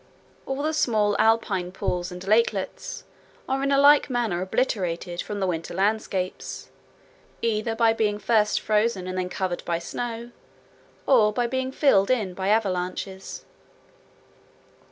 All the small alpine pools and lakelets are in like manner obliterated from the winter landscapes, either by being first frozen and then covered by snow, or by being filled in by avalanches.